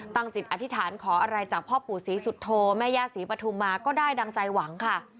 จิตอธิษฐานขออะไรจากพ่อปู่ศรีสุโธแม่ย่าศรีปฐุมมาก็ได้ดังใจหวังค่ะ